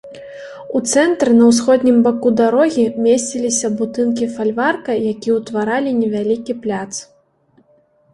У цэнтры на ўсходнім баку дарогі месціліся будынкі фальварка, якія ўтваралі невялікі пляц.